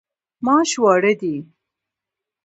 ماش واړه دي.